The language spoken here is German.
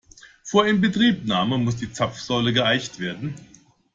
Vor Inbetriebnahme muss die Zapfsäule geeicht werden.